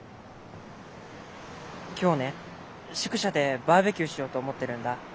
今日ね宿舎でバーベキューしようと思ってるんだ。